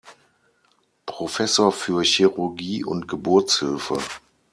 Professor für Chirurgie und Geburtshilfe.